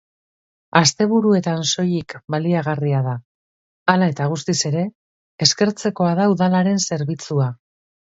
Asteburuetan soilik baliagarria da, hala eta guztiz ere eskertzekoa da udalaren zerbitzua.